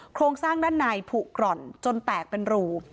โครงสร้างด้านในผูกกร่อนจนแตกเป็นรู